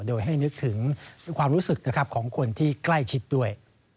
โดยให้นึกถึงความรู้สึกนะครับของคนที่ใกล้ชิดด้วย